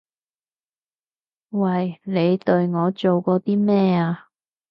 喂！你對我做過啲咩啊？